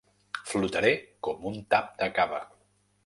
Flotaré com un tap de cava.